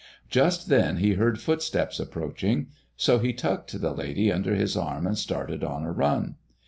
Just then he heard footsteps approaching, so he tucked the lady under his arm and started on a run.